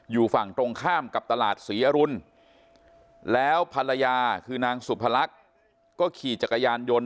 อยู่ฝั่งตรงข้ามกับตลาดศรีอรุณแล้วภรรยาคือนางสุพลักษณ์ก็ขี่จักรยานยนต์